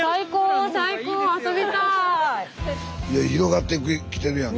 いや広がってきてるやんか。